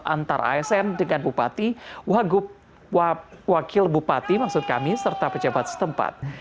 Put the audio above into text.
antara asn dengan bupati wakil bupati maksud kami serta pejabat setempat